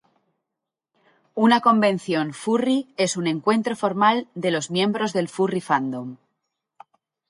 Una convención furry es un encuentro formal de los miembros del furry fandom.